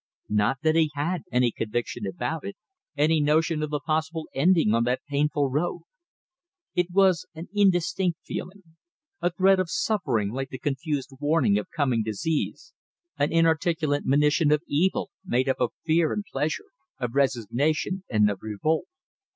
Not that he had any conviction about it, any notion of the possible ending on that painful road. It was an indistinct feeling, a threat of suffering like the confused warning of coming disease, an inarticulate monition of evil made up of fear and pleasure, of resignation and of revolt.